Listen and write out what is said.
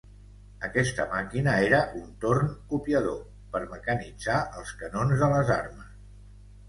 Aquesta màquina era un torn copiador, per mecanitzar els canons de les armes.